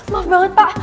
maaf banget pak